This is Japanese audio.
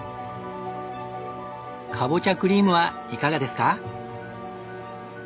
カボチャクリームはいかがですか？